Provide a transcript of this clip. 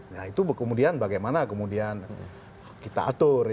nah itu kemudian bagaimana kemudian kita atur